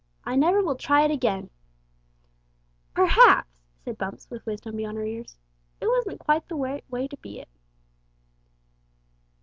"I never will try it again!" "Perhaps," said Bumps with wisdom beyond her years, "it wasn't quite the right way to be it!"